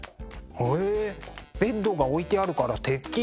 へえベッドが置いてあるからてっきり。